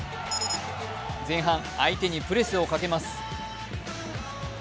前半、相手にプレスをかけます。